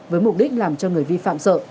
với mục đích làm cho người vi phạm sợ